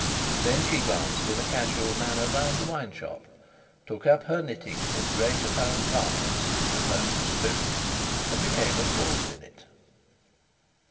Then she glanced in a casual manner round the wine shop, took up her knitting with great apparent calmness and repose of spirit, and became absorbed in it.